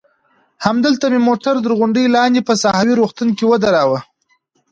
همدلته مې موټر تر غونډۍ لاندې په ساحوي روغتون کې ودراوه.